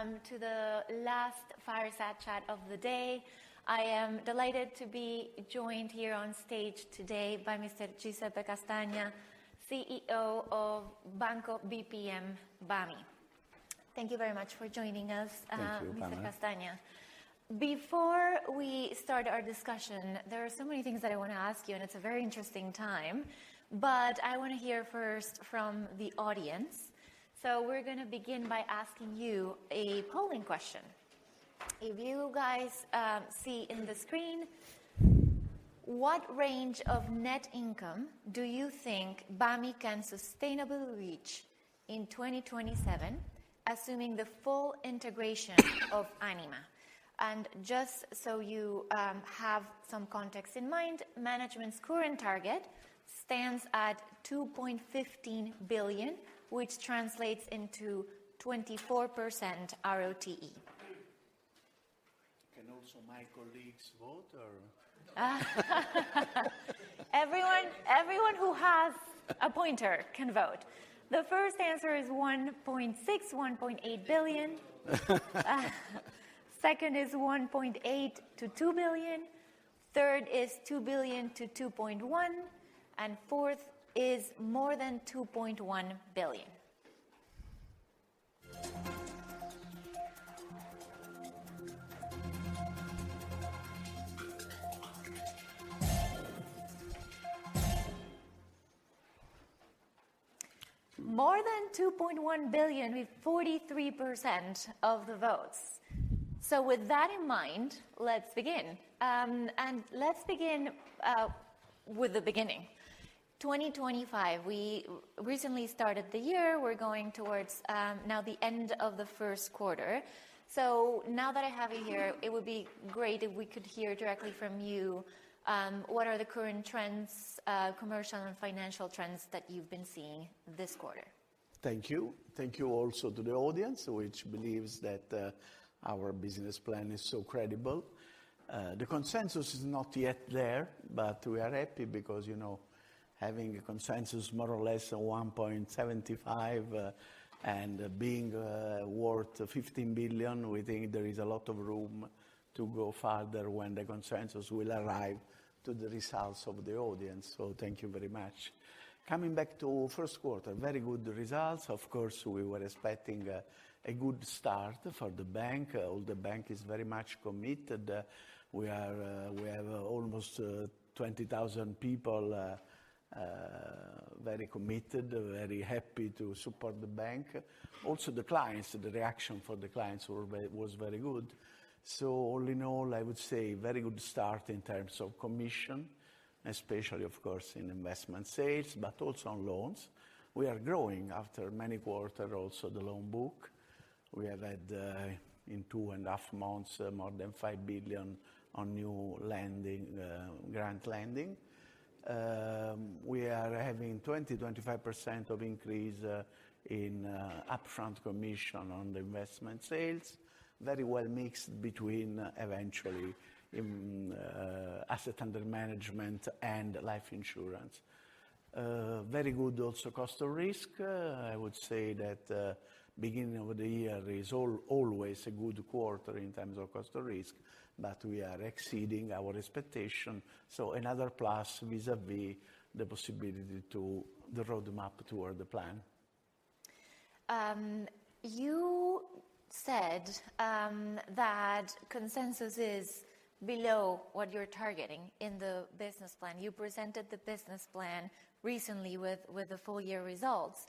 Everyone, to the last fireside chat of the day. I am delighted to be joined here on stage today by Mr. Giuseppe Castagna, CEO of Banco BPM. Thank you very much for joining us. Thank you, Bana. Mr. Castagna, before we start our discussion, there are so many things that I want to ask you, and it's a very interesting time, but I want to hear first from the audience. We are going to begin by asking you a polling question. If you guys see in the screen, what range of net income do you think Banco BPM can sustainably reach in 2027, assuming the full integration of Anima? And just so you have some context in mind, management's current target stands at 2.15 billion, which translates into 24% ROTE. Can also my colleagues vote? Everyone, everyone who has a pointer can vote. The first answer is 1.6 billion-1.8 billion. Second is 1.8 billion-2 billion. Third is 2 billion-2.1 billion. And fourth is more than 2.1 billion. More than EUR 2.1 billion, with 43% of the votes. With that in mind, let's begin. Let's begin with the beginning. 2025, we recently started the year. We're going towards, now the end of the first quarter. Now that I have you here, it would be great if we could hear directly from you, what are the current trends, commercial and financial trends that you've been seeing this quarter? Thank you. Thank you also to the audience, which believes that our business plan is so credible. The consensus is not yet there, but we are happy because, you know, having a consensus more or less of 1.75, and being worth 15 billion, we think there is a lot of room to go farther when the consensus will arrive to the results of the audience. Thank you very much. Coming back to first quarter, very good results. Of course, we were expecting a good start for the bank. All the bank is very much committed. We have almost 20,000 people, very committed, very happy to support the bank. Also, the clients, the reaction for the clients was very good. All in all, I would say very good start in terms of commission, especially, of course, in investment sales, but also on loans. We are growing after many quarters, also the loan book. We have had, in two and a half months, more than 5 billion on new lending, green lending. We are having 20-25% of increase, in, upfront commission on the investment sales, very well mixed between eventually in, asset under management and life insurance. Very good also cost of risk. I would say that, beginning of the year is always a good quarter in terms of cost of risk, but we are exceeding our expectation. Another plus vis-à-vis the possibility to the roadmap toward the plan. You said that consensus is below what you're targeting in the business plan. You presented the business plan recently with the full year results.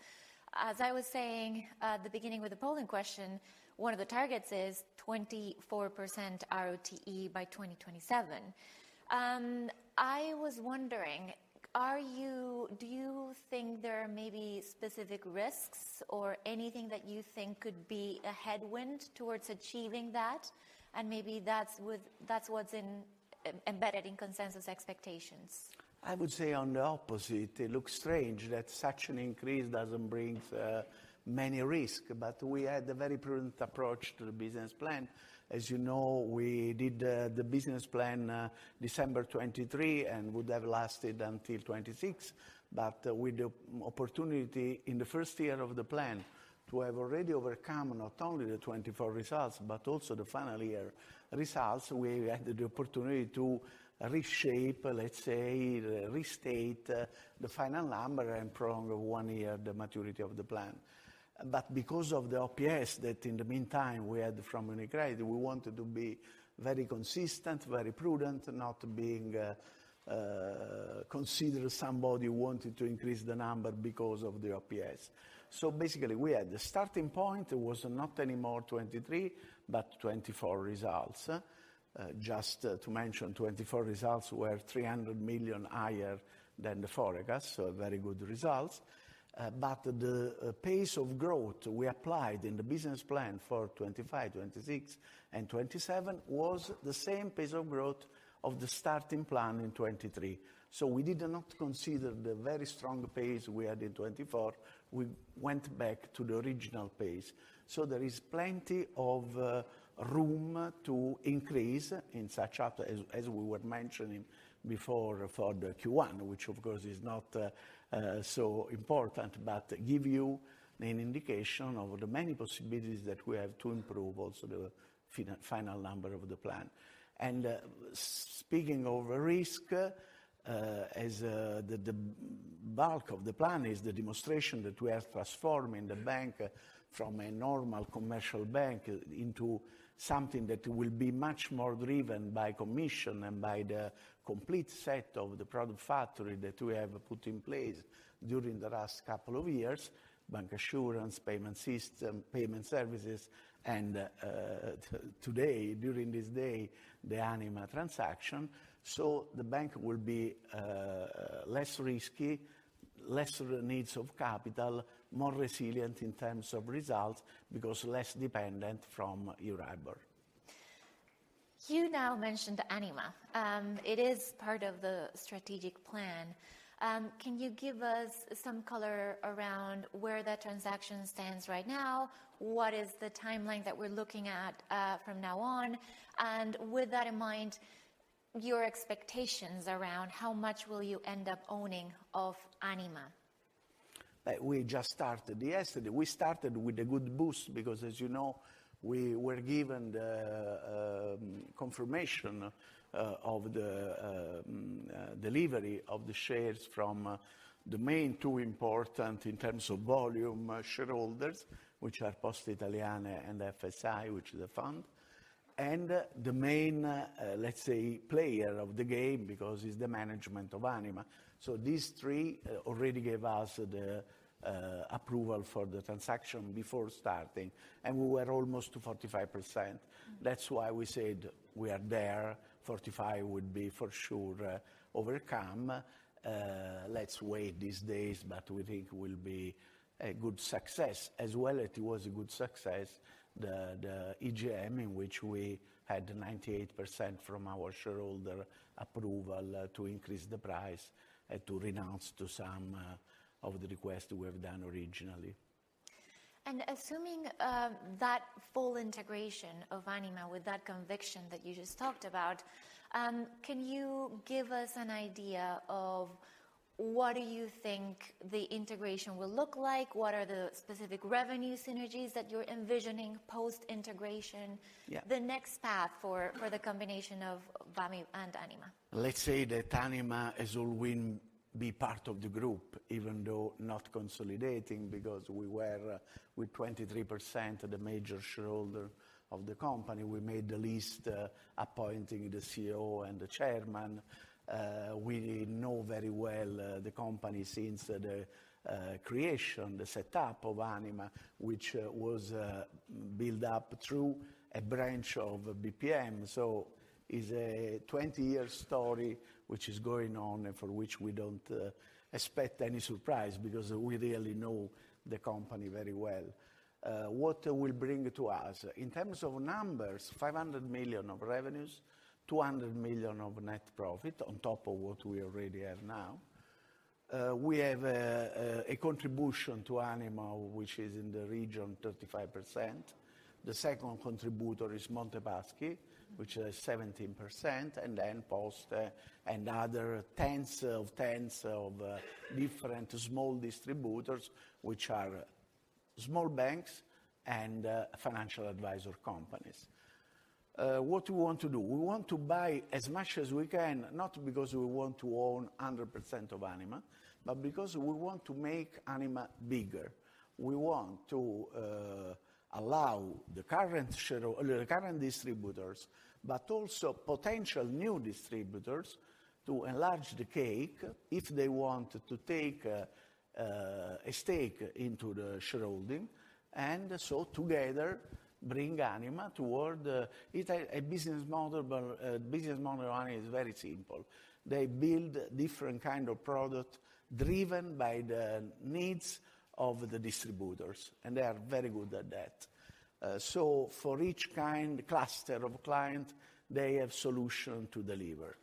As I was saying, at the beginning with the polling question, one of the targets is 24% ROTE by 2027. I was wondering, do you think there are maybe specific risks or anything that you think could be a headwind towards achieving that? Maybe that's what's embedded in consensus expectations. I would say on the opposite, it looks strange that such an increase doesn't bring many risks, but we had a very prudent approach to the business plan. As you know, we did the business plan December 2023 and would have lasted until 2026. With the opportunity in the first year of the plan to have already overcome not only the 2024 results, but also the final year results, we had the opportunity to reshape, let's say, restate the final number and prolong one year the maturity of the plan. Because of the OPS that in the meantime we had from UniCredit, we wanted to be very consistent, very prudent, not being considered somebody who wanted to increase the number because of the OPS. Basically, we had the starting point was not anymore 2023, but 2024 results. Just to mention, 2024 results were 300 million higher than the forecast, so very good results. The pace of growth we applied in the business plan for 2025, 2026, and 2027 was the same pace of growth of the starting plan in 2023. We did not consider the very strong pace we had in 2024. We went back to the original pace. There is plenty of room to increase in, such as, as we were mentioning before for the Q1, which of course is not so important, but gives you an indication of the many possibilities that we have to improve also the final number of the plan. Speaking of risk, the bulk of the plan is the demonstration that we are transforming the bank from a normal commercial bank into something that will be much more driven by commission and by the complete set of the product factory that we have put in place during the last couple of years, bancassurance, payment system, payment services, and, today, during this day, the Anima transaction. The bank will be less risky, less needs of capital, more resilient in terms of results because less dependent from Euribor. You now mentioned Anima. It is part of the strategic plan. Can you give us some color around where that transaction stands right now? What is the timeline that we're looking at, from now on? With that in mind, your expectations around how much will you end up owning of Anima? We just started yesterday. We started with a good boost because, as you know, we were given the confirmation of the delivery of the shares from the main two important in terms of volume shareholders, which are Poste Italiane and FSI, which is a fund, and the main, let's say, player of the game because it's the management of Anima. So these three already gave us the approval for the transaction before starting, and we were almost to 45%. That's why we said we are there. 45% would be for sure overcome. Let's wait these days, but we think it will be a good success. As well as it was a good success, the EGM, in which we had 98% from our shareholder approval to increase the price and to renounce to some of the requests we have done originally. Assuming that full integration of Anima with that conviction that you just talked about, can you give us an idea of what do you think the integration will look like? What are the specific revenue synergies that you're envisioning post-integration? Yeah. The next path for the combination of Banco BPM and Anima? Let's say that Anima has always been part of the group, even though not consolidating, because we were with 23% of the major shareholder of the company. We made the list appointing the CEO and the chairman. We know very well the company since the creation, the setup of Anima, which was built up through a branch of BPM. It is a 20-year story which is going on and for which we do not expect any surprise because we really know the company very well. What will bring to us in terms of numbers, 500 million of revenues, 200 million of net profit on top of what we already have now. We have a contribution to Anima, which is in the region, 35%. The second contributor is Monte dei Paschi, which is 17%, and then Poste and other tens of tens of different small distributors, which are small banks and financial advisor companies. What we want to do, we want to buy as much as we can, not because we want to own 100% of Anima, but because we want to make Anima bigger. We want to allow the current shareholders, the current distributors, but also potential new distributors to enlarge the cake if they want to take a stake into the shareholding and so together bring Anima toward a business model. A business model of Anima is very simple. They build different kind of product driven by the needs of the distributors, and they are very good at that. For each kind cluster of client, they have solution to deliver.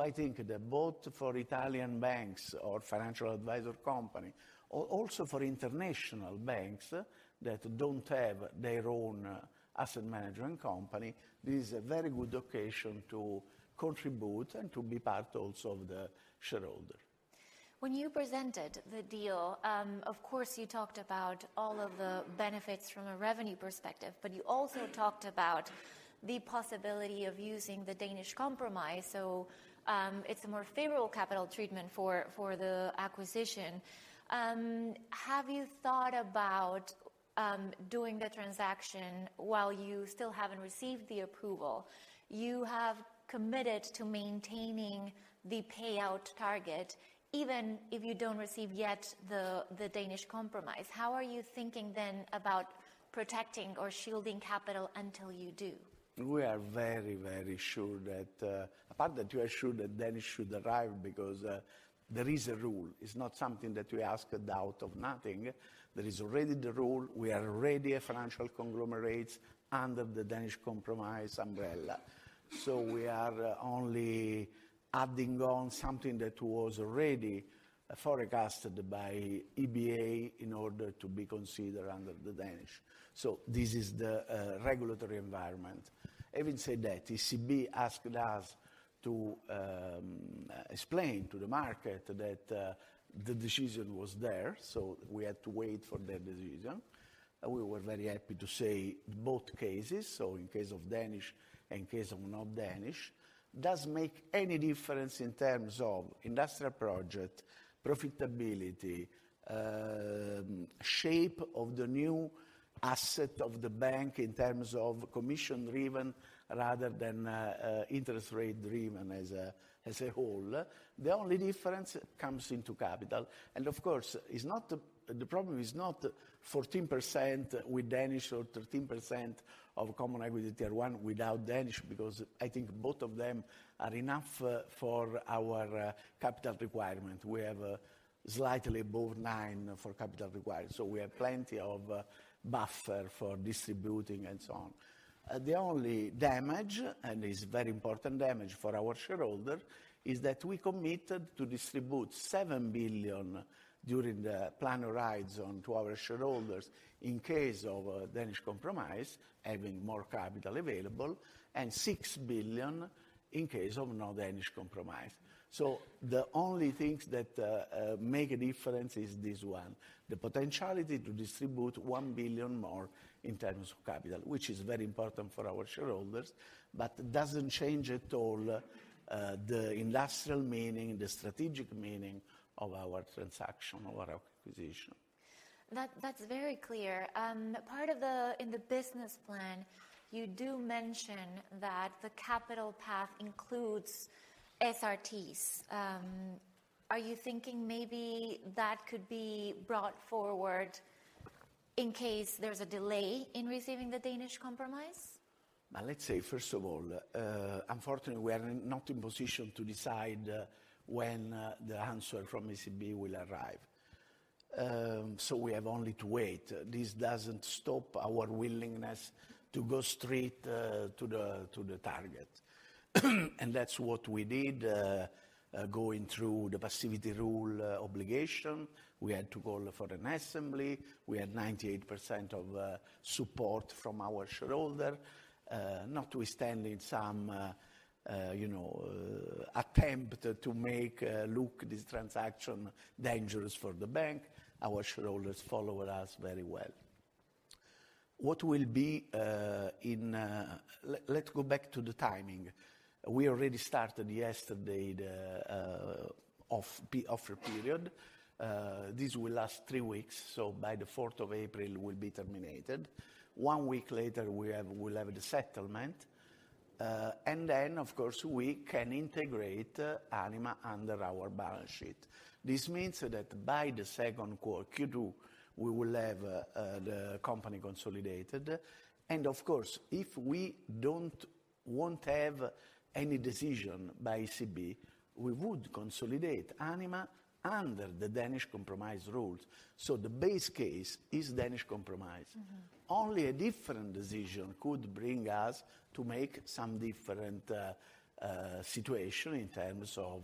I think that both for Italian banks or financial advisor companies, also for international banks that don't have their own asset management company, this is a very good occasion to contribute and to be part also of the shareholder. When you presented the deal, of course, you talked about all of the benefits from a revenue perspective, but you also talked about the possibility of using the Danish compromise. It is a more favorable capital treatment for the acquisition. Have you thought about doing the transaction while you still haven't received the approval? You have committed to maintaining the payout target even if you don't receive yet the Danish compromise. How are you thinking then about protecting or shielding capital until you do? We are very, very sure that, apart that you are sure that Danish should arrive because there is a rule. It's not something that we ask a doubt of nothing. There is already the rule. We are already a financial conglomerate under the Danish compromise umbrella. We are only adding on something that was already forecasted by EBA in order to be considered under the Danish. This is the regulatory environment. Having said that, ECB asked us to explain to the market that the decision was there. We had to wait for their decision. We were very happy to say both cases. In case of Danish and in case of not Danish, it does not make any difference in terms of industrial project, profitability, shape of the new asset of the bank in terms of commission driven rather than interest rate driven as a whole. The only difference comes into capital. Of course, the problem is not 14% with Danish or 13% of Common Equity Tier 1 without Danish because I think both of them are enough for our capital requirement. We have slightly above 9% for capital requirement, so we have plenty of buffer for distributing and so on. The only damage, and it is very important damage for our shareholder, is that we committed to distribute 7 billion during the plan horizon to our shareholders in case of Danish compromise, having more capital available, and 6 billion in case of no Danish compromise. The only things that make a difference is this one, the potentiality to distribute 1 billion more in terms of capital, which is very important for our shareholders, but does not change at all the industrial meaning, the strategic meaning of our transaction, of our acquisition. That's very clear. Part of the, in the business plan, you do mention that the capital path includes SRTs. Are you thinking maybe that could be brought forward in case there's a delay in receiving the Danish compromise? First of all, unfortunately, we are not in position to decide when the answer from ECB will arrive. We have only to wait. This does not stop our willingness to go straight to the target. That is what we did, going through the passivity rule obligation. We had to call for an assembly. We had 98% of support from our shareholder, notwithstanding some, you know, attempt to make this transaction look dangerous for the bank. Our shareholders followed us very well. What will be, in, let's go back to the timing. We already started yesterday the offer period. This will last three weeks. By the 4th of April, it will be terminated. One week later, we will have the settlement, and then, of course, we can integrate Anima under our balance sheet. This means that by the second quarter, Q2, we will have the company consolidated. Of course, if we do not want to have any decision by ECB, we would consolidate Anima under the Danish compromise rules. The base case is Danish compromise. Only a different decision could bring us to make some different situation in terms of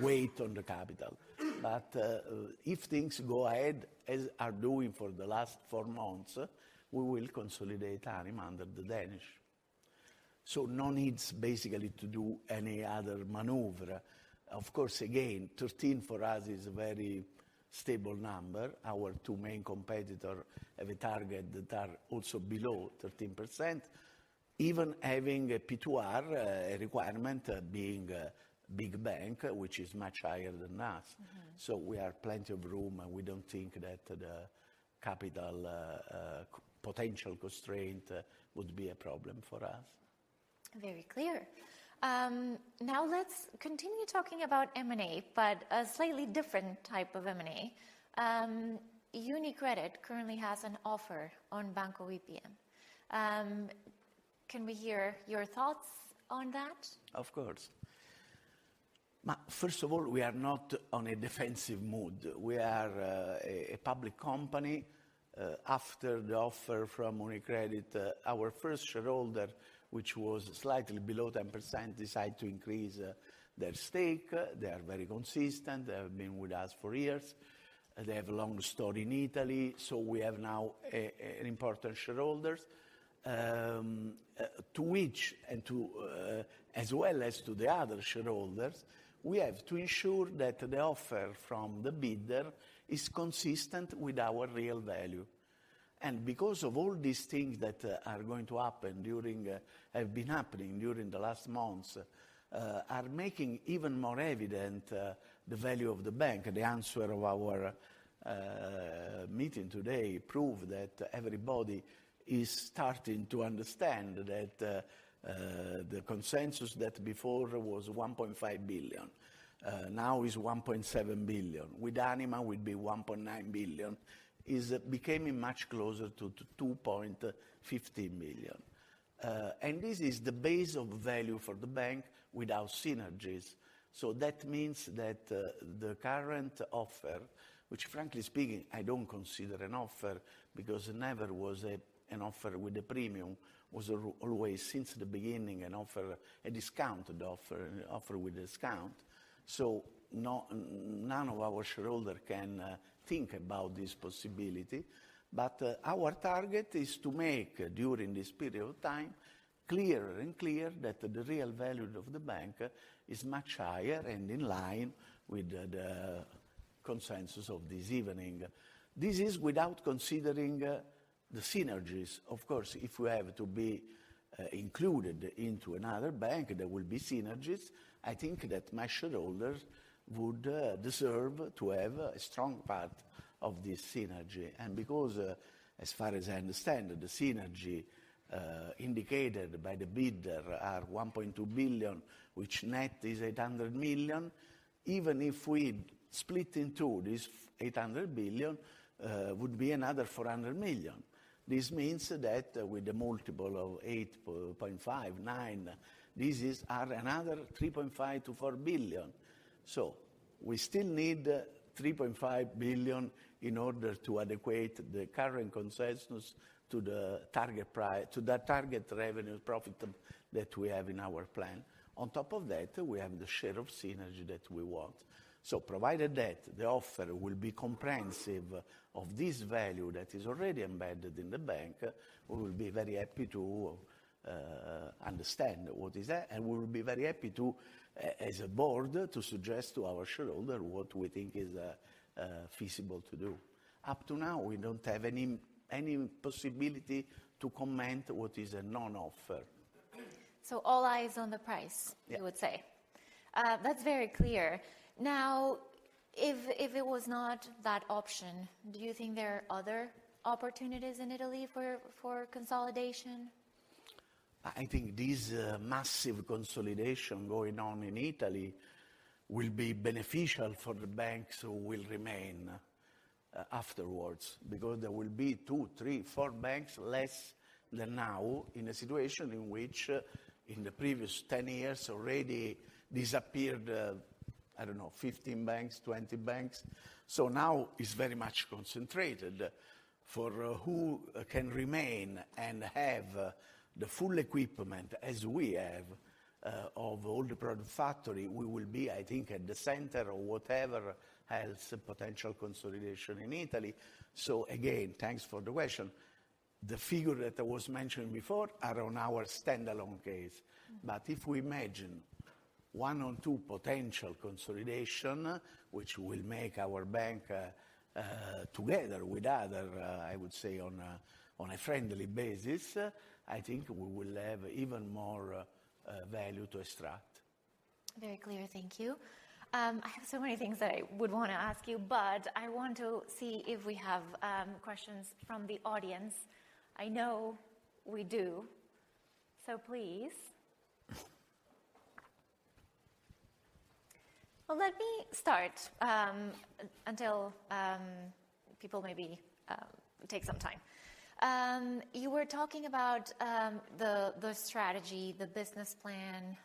weight on the capital. If things go ahead as are doing for the last four months, we will consolidate Anima under the Danish. No needs basically to do any other maneuver. Of course, again, 13 for us is a very stable number. Our two main competitors have a target that are also below 13%, even having a P2R, a requirement being a big bank, which is much higher than us. We have plenty of room, and we don't think that the capital, potential constraint would be a problem for us. Very clear. Now let's continue talking about M&A, but a slightly different type of M&A. UniCredit currently has an offer on Banco BPM. Can we hear your thoughts on that? Of course. First of all, we are not on a defensive mood. We are a public company. After the offer from UniCredit, our first shareholder, which was slightly below 10%, decided to increase their stake. They are very consistent. They have been with us for years. They have a long story in Italy. We have now important shareholders, to which, and to, as well as to the other shareholders, we have to ensure that the offer from the bidder is consistent with our real value. Because of all these things that are going to happen during, have been happening during the last months, are making even more evident the value of the bank. The answer of our meeting today proved that everybody is starting to understand that the consensus that before was 1.5 billion, now is 1.7 billion. With Anima, we would be 1.9 billion. It's becoming much closer to 2.15 billion. This is the base of value for the bank without synergies. That means that the current offer, which frankly speaking, I don't consider an offer because it never was an offer with a premium, was always since the beginning an offer, a discounted offer, an offer with a discount. None of our shareholders can think about this possibility. Our target is to make during this period of time clearer and clearer that the real value of the bank is much higher and in line with the consensus of this evening. This is without considering the synergies. Of course, if we have to be included into another bank, there will be synergies. I think that my shareholders would deserve to have a strong part of this synergy. Because, as far as I understand, the synergy indicated by the bidder are 1.2 billion, which net is 800 million. Even if we split in two, this 800 million would be another 400 million. This means that with the multiple of 8.5-9, this is another 3.5 billion-4 billion. We still need 3.5 billion in order to adequate the current consensus to the target price, to the target revenue profit that we have in our plan. On top of that, we have the share of synergy that we want. Provided that the offer will be comprehensive of this value that is already embedded in the bank, we will be very happy to understand what is that. We will be very happy to, as a board, to suggest to our shareholder what we think is feasible to do. Up to now, we don't have any possibility to comment what is a non-offer. All eyes on the price, you would say. Yeah. That's very clear. Now, if it was not that option, do you think there are other opportunities in Italy for consolidation? I think this massive consolidation going on in Italy will be beneficial for the banks who will remain afterwards because there will be two, three, four banks less than now in a situation in which in the previous 10 years already disappeared, I don't know, 15 banks, 20 banks. Now it is very much concentrated for who can remain and have the full equipment as we have of all the product factory. We will be, I think, at the center of whatever has potential consolidation in Italy. Again, thanks for the question. The figure that I was mentioning before are on our standalone case. If we imagine one or two potential consolidations, which will make our bank, together with other, I would say, on a friendly basis, I think we will have even more value to extract. Very clear. Thank you. I have so many things that I would want to ask you, but I want to see if we have questions from the audience. I know we do. Please. Let me start, until people maybe take some time. You were talking about the strategy, the business plan,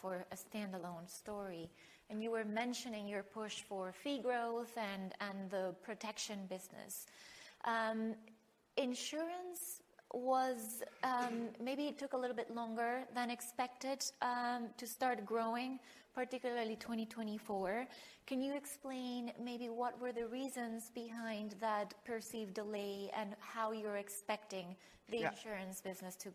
for a standalone story. You were mentioning your push for fee growth and the protection business. Insurance was, maybe it took a little bit longer than expected to start growing, particularly 2024. Can you explain maybe what were the reasons behind that perceived delay and how you're expecting the insurance business to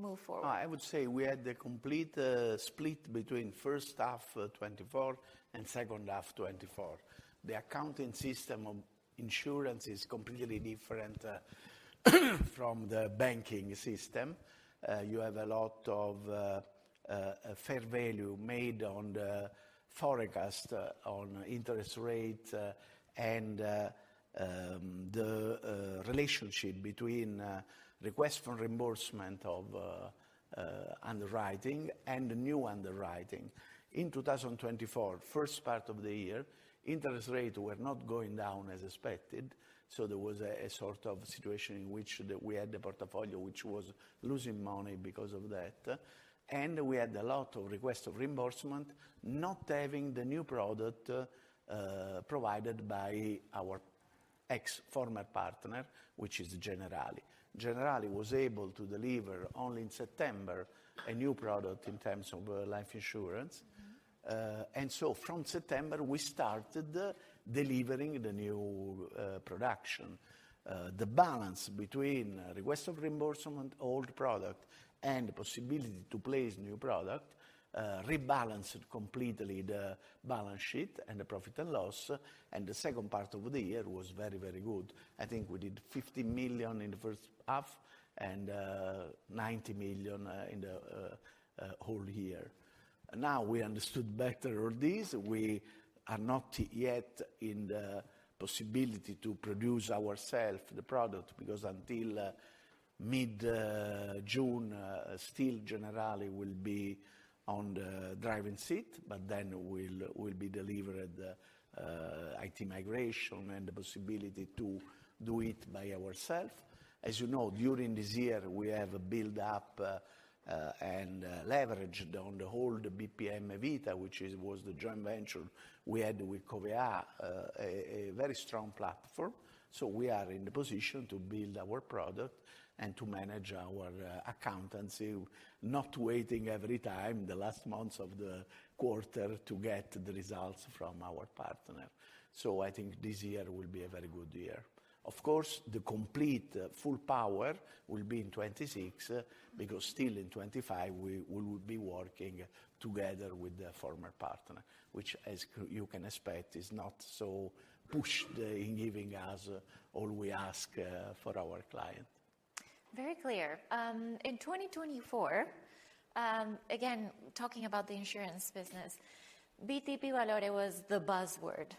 move forward? I would say we had the complete split between first half 2024 and second half 2024. The accounting system of insurance is completely different from the banking system. You have a lot of fair value made on the forecast on interest rate and the relationship between request for reimbursement of underwriting and new underwriting. In 2024, first part of the year, interest rates were not going down as expected. There was a sort of situation in which we had the portfolio which was losing money because of that. We had a lot of requests for reimbursement, not having the new product provided by our ex-former partner, which is Generali. Generali was able to deliver only in September a new product in terms of life insurance. From September, we started delivering the new production. The balance between request for reimbursement, old product, and the possibility to place new product rebalanced completely the balance sheet and the profit and loss. The second part of the year was very, very good. I think we did 15 million in the first half and 90 million in the whole year. Now we understood better all these. We are not yet in the possibility to produce ourselves the product because until mid-June, still Generali will be on the driving seat, but then we will be delivered IT migration and the possibility to do it by ourselves. As you know, during this year, we have built up and leveraged on the whole BPM Vita, which was the joint venture we had with Covéa, a very strong platform. We are in the position to build our product and to manage our accountancy, not waiting every time the last months of the quarter to get the results from our partner. I think this year will be a very good year. Of course, the complete full power will be in 2026 because still in 2025, we will be working together with the former partner, which, as you can expect, is not so pushed in giving us all we ask for our client. Very clear. In 2024, again, talking about the insurance business, BTP Valore was the buzzword.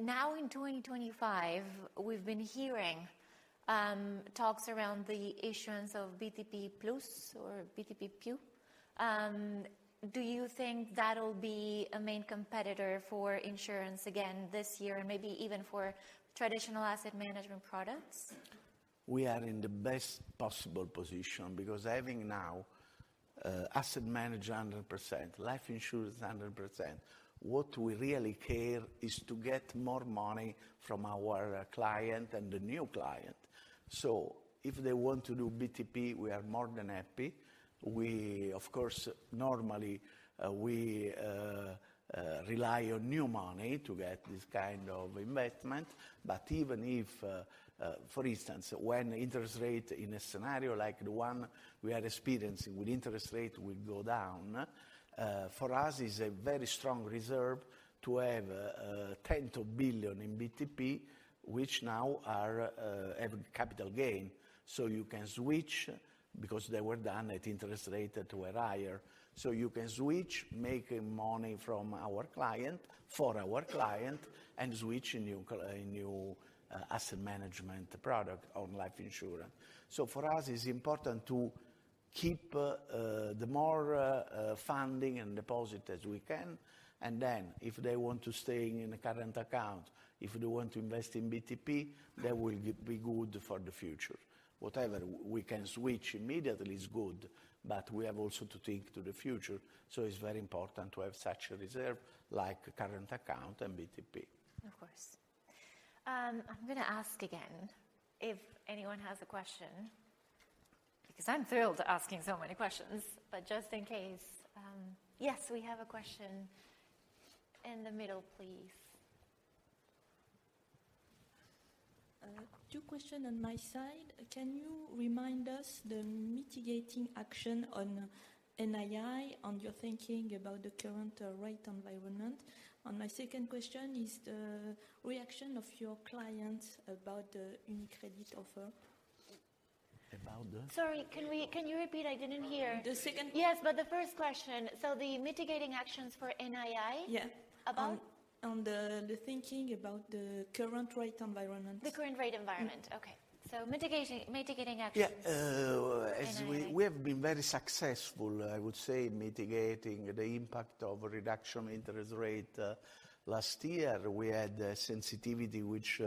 Now in 2025, we've been hearing talks around the issuance of BTP Plus or BTP Più. Do you think that'll be a main competitor for insurance again this year and maybe even for traditional asset management products? We are in the best possible position because having now, asset manager 100%, life insurance 100%, what we really care is to get more money from our client and the new client. If they want to do BTP, we are more than happy. We, of course, normally, we rely on new money to get this kind of investment. Even if, for instance, when interest rate in a scenario like the one we are experiencing with interest rate will go down, for us is a very strong reserve to have 10 billion in BTP, which now are, have capital gain. You can switch because they were done at interest rate that were higher. You can switch, make money from our client, for our client, and switch a new, a new, asset management product on life insurance. For us, it's important to keep the more funding and deposit as we can. If they want to stay in the current account, if they want to invest in BTP, that will be good for the future. Whatever we can switch immediately is good, but we have also to think to the future. It's very important to have such a reserve like current account and BTP. Of course. I'm going to ask again if anyone has a question because I'm thrilled asking so many questions. Just in case, yes, we have a question in the middle, please. Two questions on my side. Can you remind us the mitigating action on NII on your thinking about the current rate environment? My second question is the reaction of your clients about the UniCredit offer. About the? Sorry, can you repeat? I didn't hear. The second. Yes, but the first question. The mitigating actions for NII? Yeah. About? On the thinking about the current rate environment. The current rate environment. Okay. Mitigating, mitigating actions. Yeah. As we, we have been very successful, I would say, mitigating the impact of reduction interest rate. Last year, we had sensitivity, which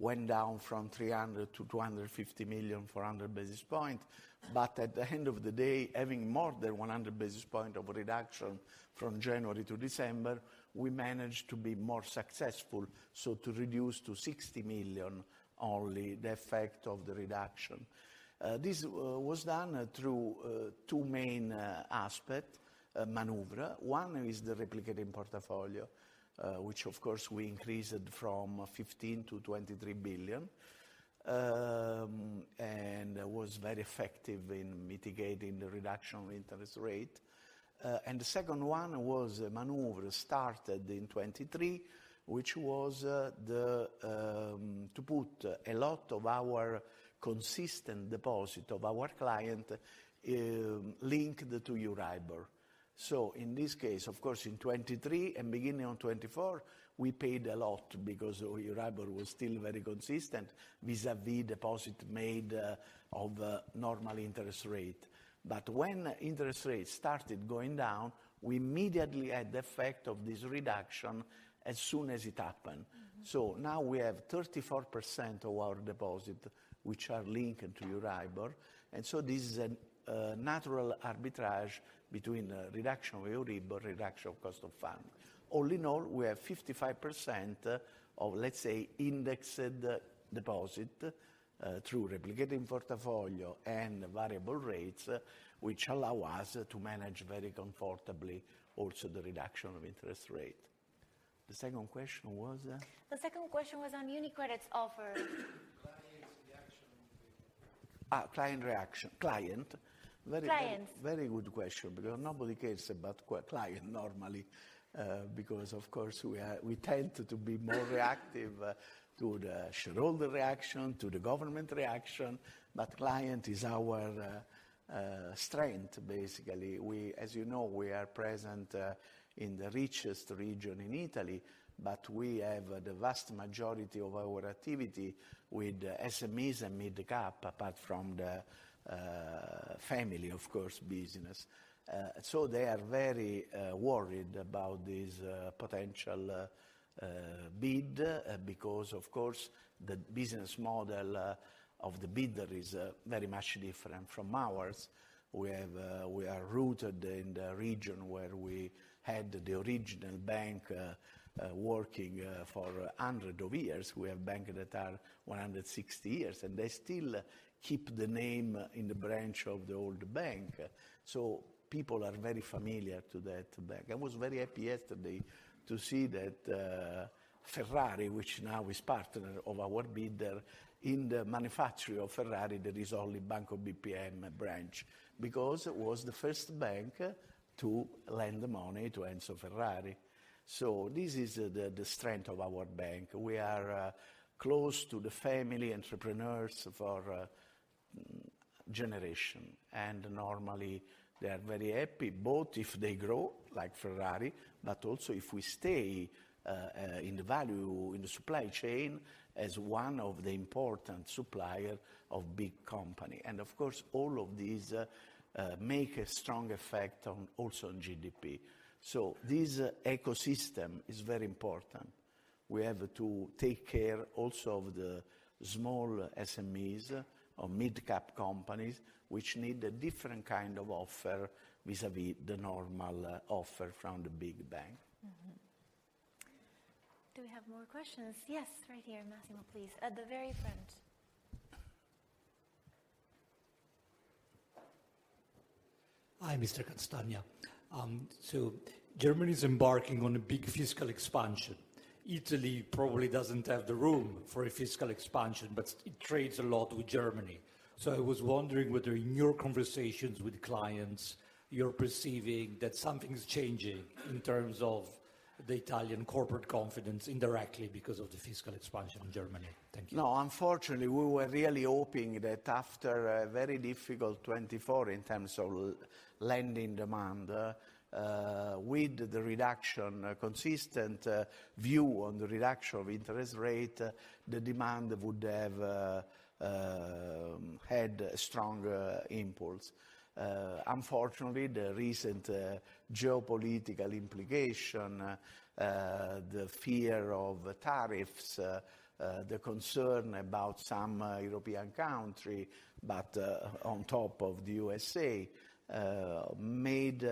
went down from 300 million to 250 million for 100 basis points. At the end of the day, having more than 100 basis points of reduction from January to December, we managed to be more successful. To reduce to 60 million only the effect of the reduction. This was done through two main aspect, maneuver. One is the replicating portfolio, which of course we increased from 15 billion to 23 billion, and was very effective in mitigating the reduction of interest rate. The second one was a maneuver started in 2023, which was to put a lot of our consistent deposit of our client, linked to Euribor. In this case, of course, in 2023 and beginning of 2024, we paid a lot because Euribor was still very consistent vis-à-vis deposit made of normal interest rate. When interest rates started going down, we immediately had the effect of this reduction as soon as it happened. Now we have 34% of our deposit, which are linked to Euribor. This is a natural arbitrage between reduction of Euribor, reduction of cost of fund. All in all, we have 55% of, let's say, indexed deposit, through replicating portfolio and variable rates, which allow us to manage very comfortably also the reduction of interest rate. The second question was? The second question was on UniCredit's offer. Client reaction. Client reaction. Client. Very. Client. Very good question because nobody cares about client normally, because of course we are, we tend to be more reactive to the shareholder reaction, to the government reaction. But client is our strength basically. We, as you know, we are present in the richest region in Italy, but we have the vast majority of our activity with SMEs and mid-cap apart from the family, of course, business. They are very worried about this potential bid because of course the business model of the bidder is very much different from ours. We are rooted in the region where we had the original bank, working for hundreds of years. We have banks that are 160 years, and they still keep the name in the branch of the old bank. People are very familiar to that bank. I was very happy yesterday to see that Ferrari, which now is partner of our bidder in the manufacturing of Ferrari, there is only Banco BPM branch because it was the first bank to lend money to Enzo Ferrari. This is the strength of our bank. We are close to the family entrepreneurs for a generation. Normally they are very happy, both if they grow like Ferrari, but also if we stay in the value, in the supply chain as one of the important suppliers of big company. Of course, all of these make a strong effect also on GDP. This ecosystem is very important. We have to take care also of the small SMEs or mid-cap companies which need a different kind of offer vis-à-vis the normal offer from the big bank. Do we have more questions? Yes, right here. Massimo, please, at the very front. Hi, Mr. Castagna. Germany's embarking on a big fiscal expansion. Italy probably doesn't have the room for a fiscal expansion, but it trades a lot with Germany. I was wondering whether in your conversations with clients, you're perceiving that something's changing in terms of the Italian corporate confidence indirectly because of the fiscal expansion in Germany. Thank you. No, unfortunately, we were really hoping that after a very difficult 2024 in terms of lending demand, with the reduction, consistent view on the reduction of interest rate, the demand would have had a stronger impulse. Unfortunately, the recent geopolitical implication, the fear of tariffs, the concern about some European country, but on top of the USA, made,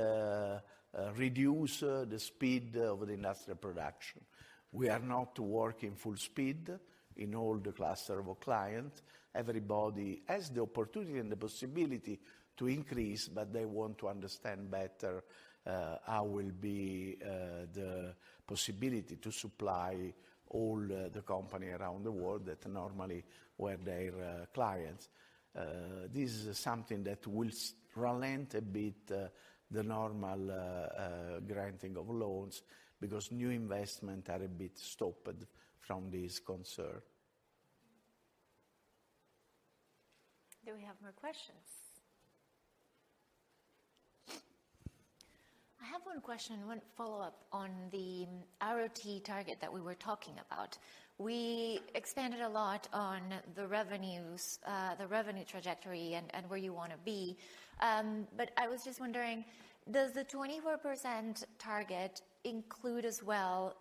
reduce the speed of the industrial production. We are not working full speed in all the cluster of our clients. Everybody has the opportunity and the possibility to increase, but they want to understand better, how will be, the possibility to supply all the companies around the world that normally were their clients. This is something that will ralent a bit, the normal granting of loans because new investments are a bit stopped from this concern. Do we have more questions? I have one question, one follow-up on the ROTE target that we were talking about. We expanded a lot on the revenues, the revenue trajectory and where you want to be. I was just wondering, does the 24% target include as well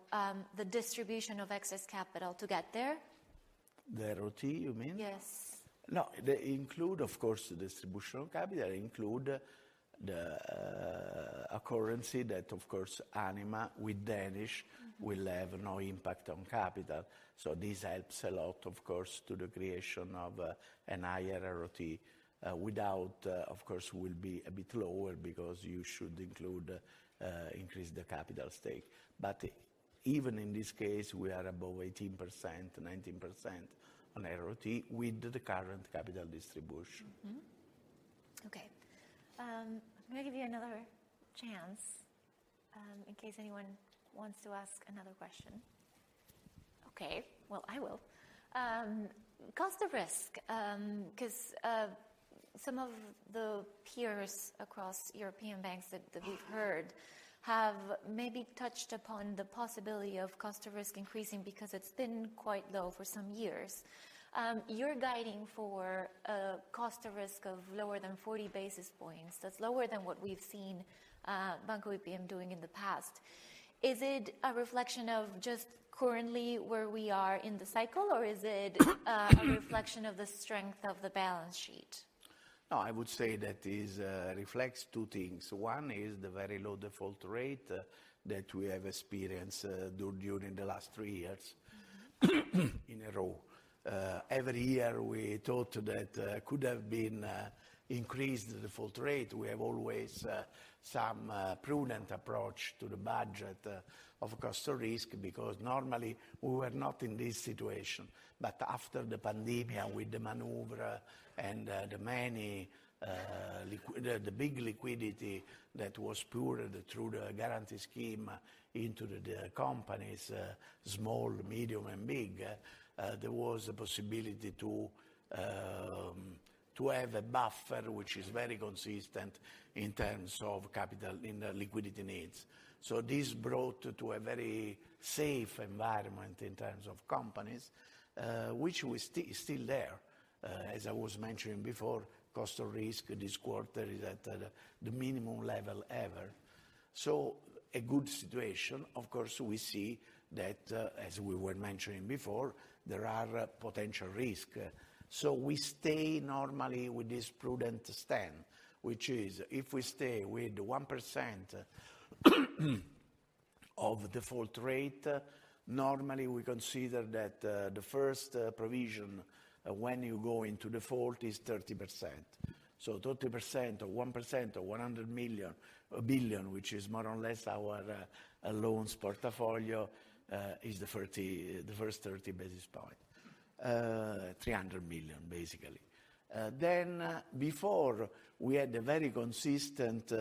the distribution of excess capital to get there? The ROTE, you mean? Yes. No, they include, of course, the distribution of capital. Include the, a currency that, of course, Anima with Danish will have no impact on capital. This helps a lot, of course, to the creation of an higher ROT, without, of course, will be a bit lower because you should include, increase the capital stake. Even in this case, we are above 18%-19% on ROT with the current capital distribution. Okay. I'm going to give you another chance, in case anyone wants to ask another question. Okay. I will. Cost of risk, because some of the peers across European banks that we've heard have maybe touched upon the possibility of cost of risk increasing because it's been quite low for some years. You're guiding for a cost of risk of lower than 40 basis points. That's lower than what we've seen Banco BPM doing in the past. Is it a reflection of just currently where we are in the cycle, or is it a reflection of the strength of the balance sheet? No, I would say that this reflects two things. One is the very low default rate that we have experienced during the last three years in a row. Every year we thought that could have been increased, the default rate. We have always some prudent approach to the budget of cost of risk because normally we were not in this situation. After the pandemic and with the maneuver and the big liquidity that was poured through the guarantee scheme into the companies, small, medium, and big, there was a possibility to have a buffer, which is very consistent in terms of capital in liquidity needs. This brought to a very safe environment in terms of companies, which we still, still there. As I was mentioning before, cost of risk this quarter is at the minimum level ever. A good situation. Of course, we see that, as we were mentioning before, there are potential risks. We stay normally with this prudent stand, which is if we stay with 1% of default rate, normally we consider that the first provision when you go into default is 30%. So 30% of 1% of 100 million or billion, which is more or less our loans portfolio, is the 30, the first 30 basis points, 300 million basically. Before we had a very consistent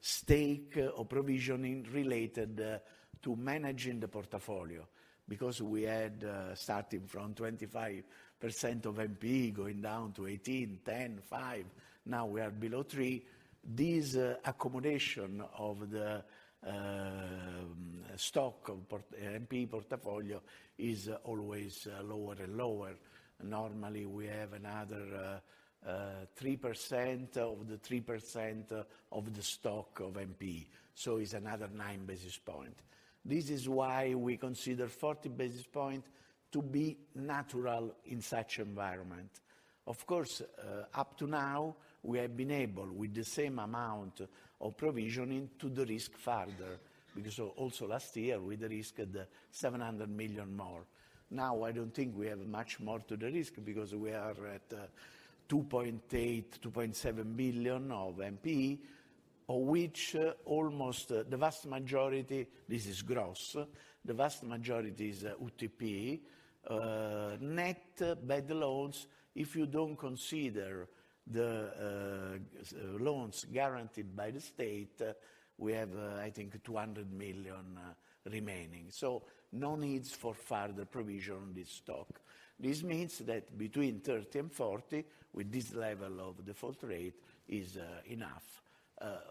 stake or provisioning related to managing the portfolio because we had, starting from 25% of NPE going down to 18%, 10%, 5%. Now we are below 3%. This accommodation of the stock of NPE portfolio is always lower and lower. Normally we have another 3% of the 3% of the stock of NPE. So it is another 9 basis points. This is why we consider 40 basis points to be natural in such environment. Of course, up to now we have been able with the same amount of provisioning to the risk further because also last year we risked 700 million more. Now I do not think we have much more to the risk because we are at 2.8 billion-2.7 billion of NPE, of which almost the vast majority, this is gross, the vast majority is UTP, net bad loans. If you do not consider the loans guaranteed by the state, we have, I think, 200 million remaining. No needs for further provision on this stock. This means that between 30 and 40 with this level of default rate is enough.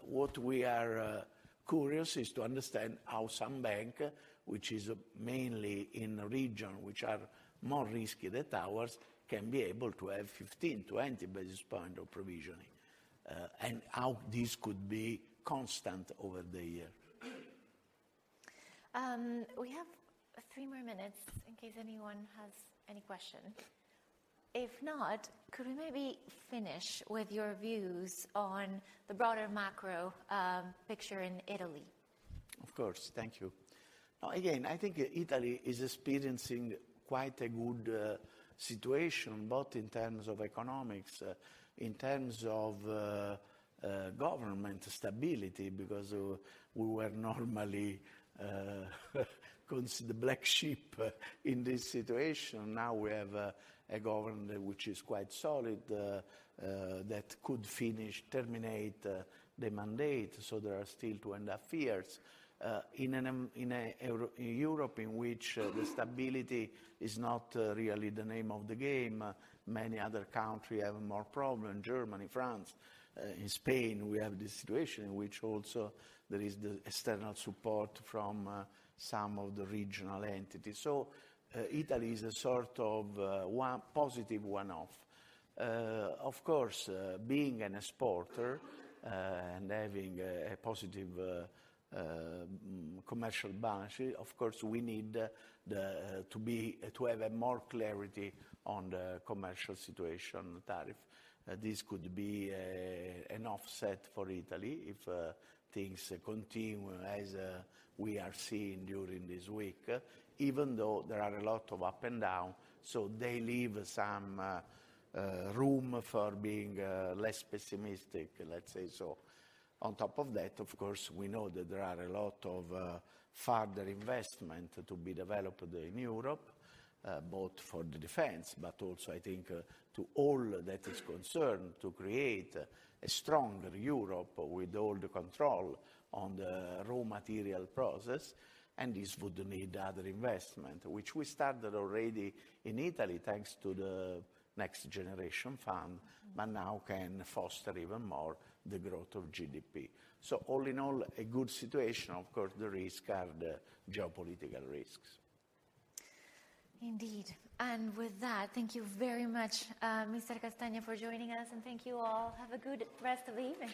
What we are curious is to understand how some bank, which is mainly in a region which are more risky than ours, can be able to have 15 basis points-20 basis points of provisioning, and how this could be constant over the year. We have three more minutes in case anyone has any question. If not, could we maybe finish with your views on the broader macro picture in Italy? Of course. Thank you. No, again, I think Italy is experiencing quite a good situation both in terms of economics, in terms of government stability because we were normally considered the black sheep in this situation. Now we have a government which is quite solid, that could finish, terminate the mandate. There are still two and a half years in Europe in which the stability is not really the name of the game. Many other countries have more problems, Germany, France, in Spain, we have this situation in which also there is the external support from some of the regional entities. Italy is a sort of one positive one-off. Of course, being an exporter, and having a positive commercial balance sheet, of course we need to be, to have more clarity on the commercial situation tariff. This could be an offset for Italy if things continue as we are seeing during this week, even though there are a lot of up and down. They leave some room for being less pessimistic, let's say so. On top of that, of course, we know that there are a lot of further investment to be developed in Europe, both for the defense, but also I think to all that is concerned to create a stronger Europe with all the control on the raw material process. This would need other investment, which we started already in Italy thanks to the Next Generation Fund, but now can foster even more the growth of GDP. All in all, a good situation. Of course, the risks are the geopolitical risks. Indeed. With that, thank you very much, Mr. Castagna, for joining us, and thank you all. Have a good rest of the evening.